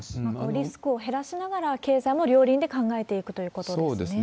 リスクを減らしながら、経済も両輪で考えていくということでそうですね。